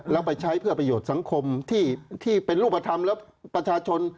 แล้วไปใช้เพื่อประโยชน์สังคมที่เป็นรูปธรรมแล้วประชาชน